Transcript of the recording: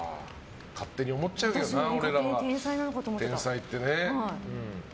勝手に思っちゃうけどな天才ってね。